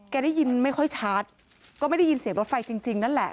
ได้ยินไม่ค่อยชัดก็ไม่ได้ยินเสียงรถไฟจริงนั่นแหละ